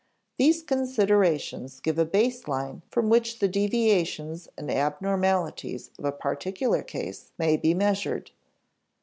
These considerations give a base line from which the deviations and abnormalities of a particular case may be measured.